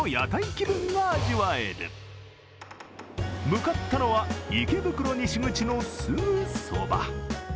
向かったのは、池袋西口のすぐそば。